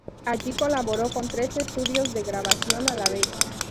Allí colaboró con tres estudios de grabación a la vez.